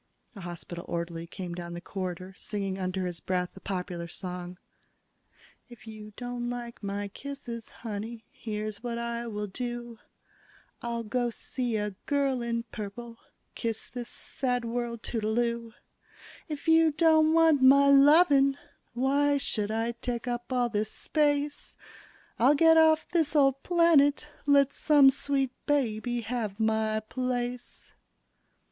A hospital orderly came down the corridor, singing under his breath a popular song: If you don't like my kisses, honey, Here's what I will do: I'll go see a girl in purple, Kiss this sad world toodle oo. If you don't want my lovin', Why should I take up all this space? I'll get off this old planet, Let some sweet baby have my place.